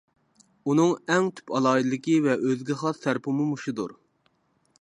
ئۇنىڭ ئەڭ تۈپ ئالاھىدىلىكى ۋە ئۆزىگە خاس تەرىپىمۇ مۇشۇدۇر.